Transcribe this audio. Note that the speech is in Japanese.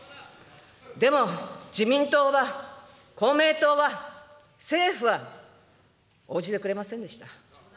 でも自民党は、公明党は、政府は、応じてくれませんでした。